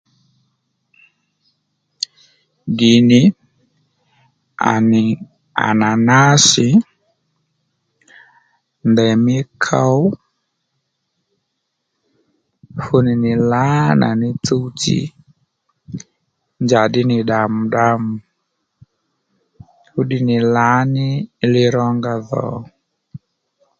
Ddì nì à nì ànànásì, ndèymí kow fúnì nì lǎnà ní tsúw tsi njàddí nì ddàmddám fúddiy nì lǎní li rónga dhò